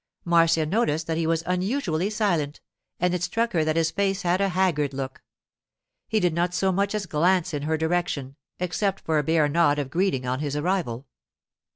Marcia noticed that he was unusually silent, and it struck her that his face had a haggard look. He did not so much as glance in her direction, except for a bare nod of greeting on his arrival.